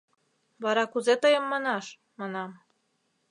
— Вара кузе тыйым манаш? — манам.